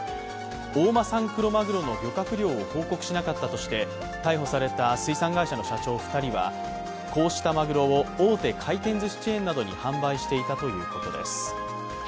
大間産クロマグロの漁獲量を報告しなかったとして逮捕された水産会社の社長２人はこうしたマグロを大手回転ずしチェーンなどに販売していたということです。